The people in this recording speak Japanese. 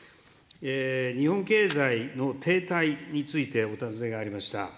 日本経済の停滞についてお尋ねがありました。